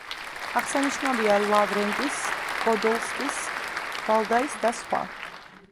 აღსანიშნავია ლავრენტის, პოდოლსკის, ვალდაის და სხვა.